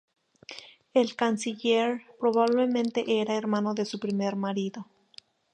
El Canciller probablemente era hermano de su primer marido.